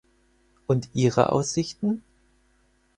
Und ihre Aussichten?